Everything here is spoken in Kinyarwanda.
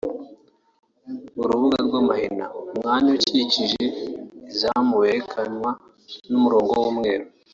urubuga rw’amahina (umwanya ukikije izamu werekanwa n’umurongo w’umweru)